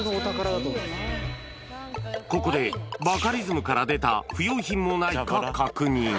ここで、バカリズムから出た不要品もないか確認。